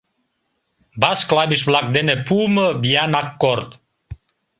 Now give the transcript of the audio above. Бас клавиш-влак дене пуымо виян аккорд.